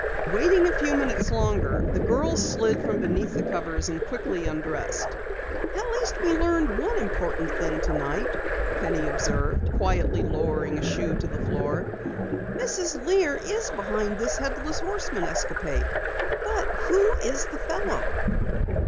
Waiting a few minutes longer, the girls slid from beneath the covers and quickly undressed. "At least we learned one important thing tonight," Penny observed, quietly lowering a shoe to the floor. "Mrs. Lear is behind this Headless Horseman escapade. But who is the fellow?"